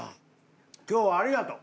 今日はありがとう。